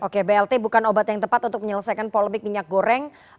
oke blt bukan obat yang tepat untuk menyelesaikan polemik minyak goreng